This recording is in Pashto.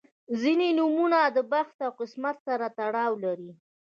• ځینې نومونه د بخت او قسمت سره تړاو لري.